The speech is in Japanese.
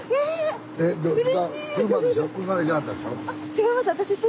違います。